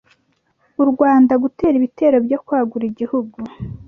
u Rwanda gutera ibitero byo kwagura igihugu